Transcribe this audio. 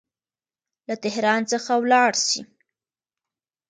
له تهران څخه ولاړ سي.